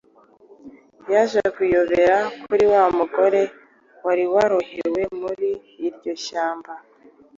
Yaje kuyobera kuri wa mugore wari warohewe muri iryo shyamba